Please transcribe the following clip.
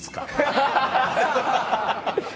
ハハハハハ！